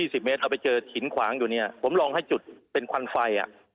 ๑๐เมตรเอาไปเจอหินขวางอยู่เนี่ยผมลองให้จุดเป็นควันไฟ